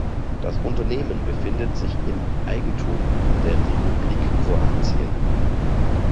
Das Unternehmen befindet sich im Eigentum der Republik Kroatien.